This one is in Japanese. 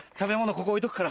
ここ置いとくから。